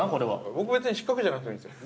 ◆僕、別に四角じゃなくてもいいですよ。